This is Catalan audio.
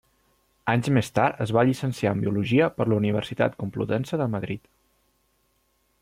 Anys més tard es va llicenciar en Biologia per la Universitat Complutense de Madrid.